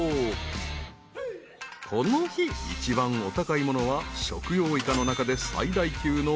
［この日一番お高いものは食用イカの中で最大級の］